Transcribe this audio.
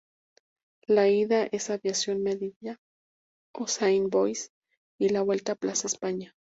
La ida es Aviación Melilla o Saint Bois y la vuelta Plaza España.